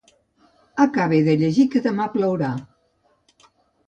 Acabe de llegir que demà plourà.